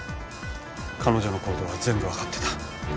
彼女の行動は全部わかってた。